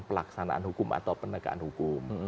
pelaksanaan hukum atau penegakan hukum